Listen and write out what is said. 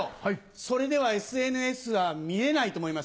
それではＳＮＳは見えないと思いますよ。